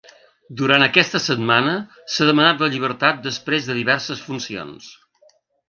Durant aquesta setmana s’ha demanat la llibertat després de diverses funcions.